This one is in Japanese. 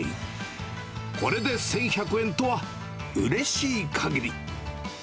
これで１１００円とは、うれしい限り。